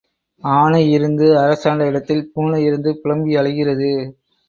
ஆனை இருந்து அரசாண்ட இடத்தில் பூனை இருந்து புலம்பி அழுகிறது.